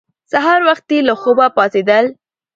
سهار وختي له خوبه پاڅېدل